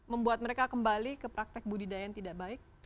membuat mereka kembali ke praktek budidaya yang tidak baik